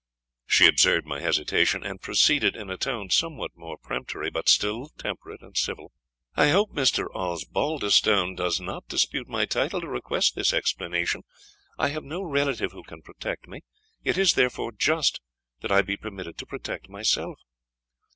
She observed my hesitation, and proceeded, in a tone somewhat more peremptory, but still temperate and civil "I hope Mr. Osbaldistone does not dispute my title to request this explanation. I have no relative who can protect me; it is, therefore, just that I be permitted to protect myself."